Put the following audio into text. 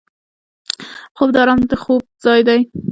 خوب د آرام د خوب ځای دی